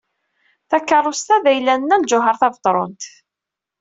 Takeṛṛust-a d ayla n Nna Lǧuheṛ Tabetṛunt.